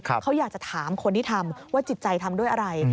เขาอยากจะถามคนที่ทำว่าจิตใจทำด้วยอะไร